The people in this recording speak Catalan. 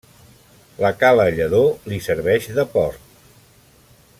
La cala Lledó li serveix de port.